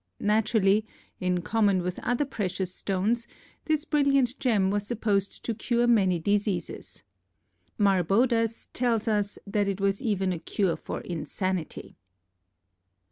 Naturally, in common with other precious stones, this brilliant gem was supposed to cure many diseases. Marbodus tells us that it was even a cure for insanity.